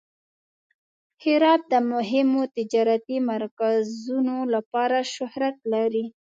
هرات د مهمو تجارتي مرکزونو لپاره شهرت لري.